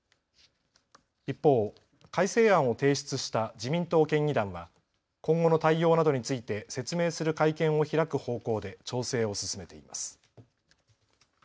一方、改正案を提出した自民党県議団は今後の対応などについて説明する会見を開く方向で調整を進めています。